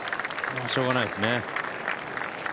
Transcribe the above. しようがないですね。